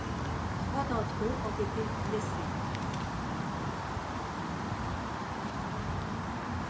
Trois d’entre-eux ont été blessés.